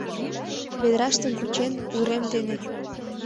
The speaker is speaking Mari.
...Ведраштым кучен, урем дене